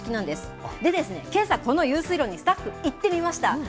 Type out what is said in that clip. でですね、けさ、この遊水路にスタッフ、行ってみました。